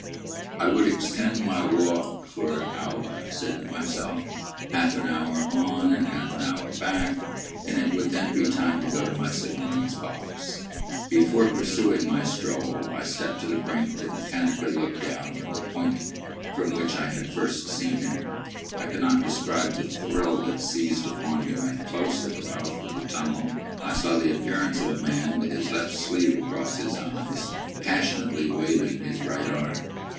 I would extend my walk for an hour, I said to myself, half an hour on and half an hour back, and it would then be time to go to my signal man's box. Before pursuing my stroll, I stepped to the brink, and mechanically looked down, from the point from which I had first seen him. I cannot describe the thrill that seized upon me, when, close at the mouth of the tunnel, I saw the appearance of a man, with his left sleeve across his eyes, passionately waving his right arm.